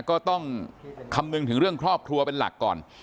ก็ต้องคำนึงถึงเรื่องครอบครัวเป็นหลักก่อน